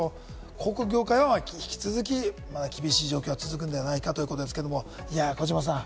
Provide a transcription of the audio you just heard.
広告業界は引き続き厳しい状況が続くのではないかということですけれども、児嶋さん。